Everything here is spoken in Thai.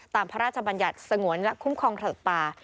ตามพระราชบัญญัติสงวนและคุ้มครองสัตว์ป่า